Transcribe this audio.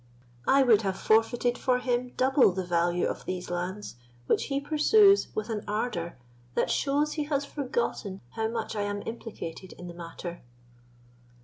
I would have forfeited for him double the value of these lands, which he pursues with an ardour that shows he has forgotten how much I am implicated in the matter."